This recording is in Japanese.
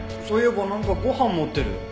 そういえばなんかご飯持ってる。